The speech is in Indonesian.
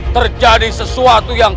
terjadi sesuatu yang